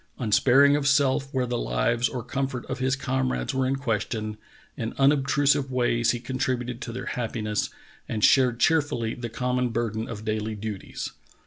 Unsparing of self where the lives or comfort of his comrades were in question, in unobtrusive v/ays he contributed to their happiness and shared cheerfully the common burden of daily duties.